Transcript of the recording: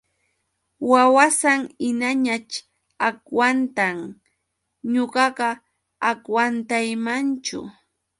Wawasan hinañaćh agwantan ñuqaqa agwantaymanchu.